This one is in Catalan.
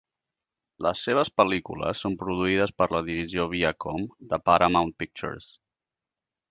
Les seves pel·lícules son produïdes per la divisió Viacom de Paramount Pictures.